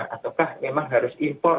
ataukah memang harus impor